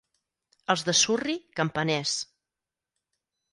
Els de Surri, campaners.